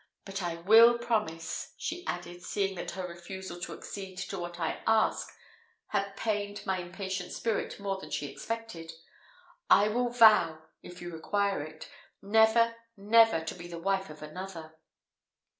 But I will promise," she added, seeing that her refusal to accede to what I asked had pained my impatient spirit more than she expected, "I will vow, if you require it, never, never, to be the wife of another."